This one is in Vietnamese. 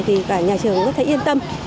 thì cả nhà trường cũng thấy yên tâm